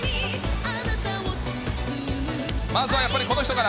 まずはやっぱりこの人から。